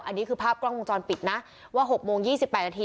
อันนี้คือภาพกล้องวงจรปิดนะว่า๖โมง๒๘นาที